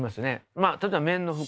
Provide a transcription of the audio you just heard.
まあ例えば綿の服